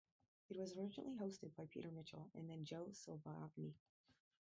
It was originally hosted by Peter Mitchell and then Jo Silvagni.